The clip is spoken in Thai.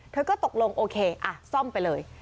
เธอก็ตกลงโอเคซ่อมไปเลย